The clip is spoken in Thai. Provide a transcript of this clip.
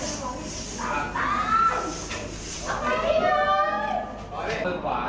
สุดท้ายก็ไม่มีเวลาที่จะรักกับที่อยู่ในภูมิหน้า